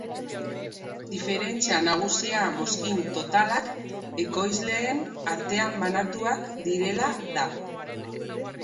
Diferentzia nagusia mozkin totalak ekoizleen artean banatuak direla da.